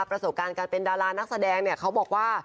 ประสบการณ์การเป็นดารานักแสดงเนี่ยเขาบอกว่า